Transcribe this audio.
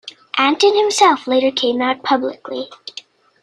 Antin himself later came out publicly.